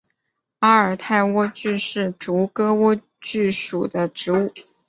阿尔泰莴苣是菊科莴苣属的植物。